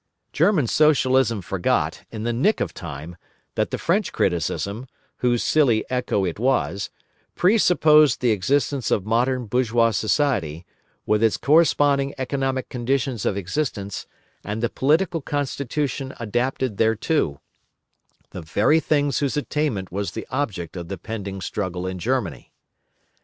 German Socialism forgot, in the nick of time, that the French criticism, whose silly echo it was, presupposed the existence of modern bourgeois society, with its corresponding economic conditions of existence, and the political constitution adapted thereto, the very things whose attainment was the object of the pending struggle in Germany.